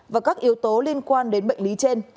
và các yếu tố liên quan đến bệnh lý trên